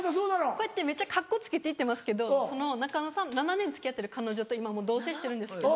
こうやってめっちゃカッコつけて言ってますけど中野さん７年付き合ってる彼女と今も同棲してるんですけど。